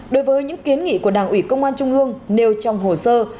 đối với những kiến nghị của đảng ủy công an trung ương nêu trong hồ sơ